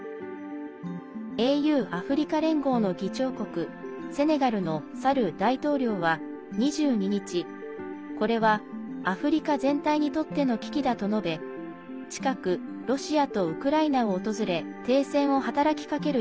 ＡＵ＝アフリカ連合の議長国セネガルのサル大統領は２２日、これはアフリカ全体にとっての危機だと述べ近く、ロシアとウクライナを訪れ停戦を働きかける